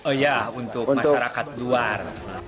iya untuk masyarakat luar